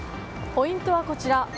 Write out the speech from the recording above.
ポイントはこちら。